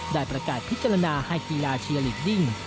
ได้ประกาศพิจารณาให้กีฬาเชียร์ลีดดิ้ง